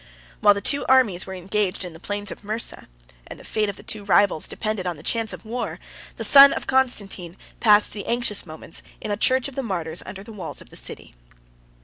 While the two armies were engaged in the plains of Mursa, and the fate of the two rivals depended on the chance of war, the son of Constantine passed the anxious moments in a church of the martyrs under the walls of the city.